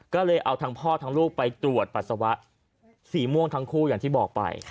ก็เลยเอาทั้งพ่อทั้งลูกไปตรวจปัสสาวะสีม่วงทั้งคู่อย่างที่บอกไป